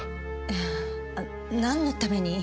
ええ何のために？